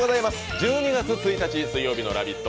１２月１日水曜日の「ラヴィット！」